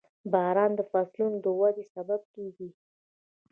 • باران د فصلونو د ودې سبب کېږي.